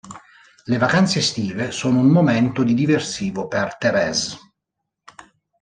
Le vacanze estive sono un momento di diversivo per Thérèse.